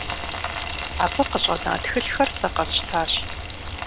Абы къыщӀэна тхылъхэр сэ къэсщтащ.